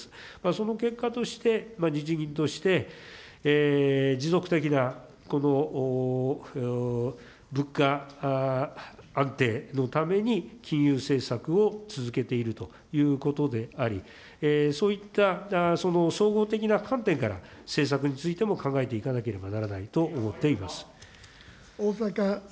その結果として、日銀として、持続的なこの物価安定のために、金融政策を続けているということであり、そういったその総合的な観点から、政策についても考えていかなければならないと思っています。